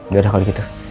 gak ada kalau gitu